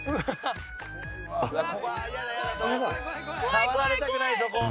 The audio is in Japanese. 「触られたくないそこ」